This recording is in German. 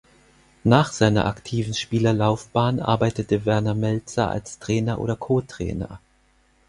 Nach seiner aktiven Spielerlaufbahn arbeitete Werner Melzer als Trainer oder Co-Trainer.